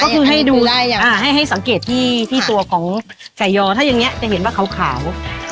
ก็คือให้ดูให้สังเกตที่ตัวของไก่ยอถ้าอย่างนี้จะเห็นว่าขาว